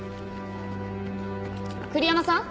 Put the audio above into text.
栗山さん？